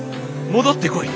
戻ってこい！』